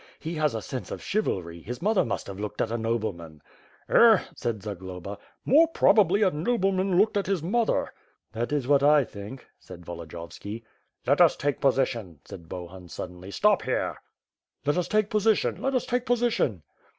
He has a sense of chivalry; his mother must have looked at a noble man.'* "Eh!" said Zagloba, "more probably a nobleman looked at his mother." "That is what I think," said Volodiyovski. "Let us take position!" said Bohun suddenly, "stop here!" "Let us take position! Let us take position!"